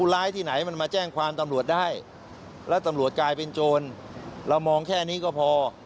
แล้วตำรวจกลายเป็นโจรเรามองแค่นี้ก็พอ